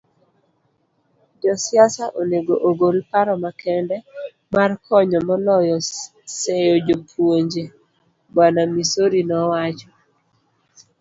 Jo siasa onego ogol paro makende mar konyo moloyo seyo jopuonje, Bw. Misori nowacho.